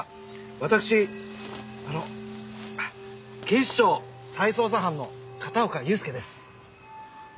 わたくしあの警視庁再捜査班の片岡悠介です。